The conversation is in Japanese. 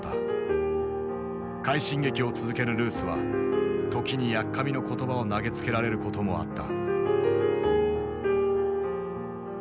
快進撃を続けるルースは時にやっかみの言葉を投げつけられることもあった。